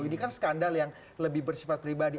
ini kan skandal yang lebih bersifat pribadi